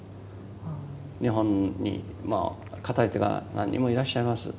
日本に語り手が何人もいらっしゃいます。